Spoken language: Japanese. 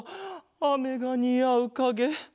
あめがにあうかげ。